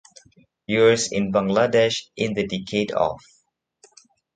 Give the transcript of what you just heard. Years in Bangladesh in the decade of